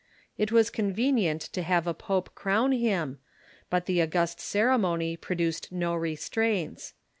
It was convenient to have a pope crown him, but the august ceremony produced no restraints.